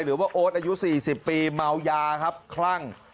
หรือว่าโอ๊ตอายุ๔๐ปีเม้ายาครับคลั่ง